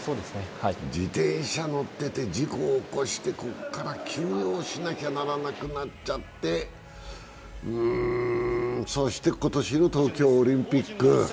自転車に乗ってて事故を起こしてここから休業しなきゃならなくなっちゃって、うーん、そして今年の東京オリンピック。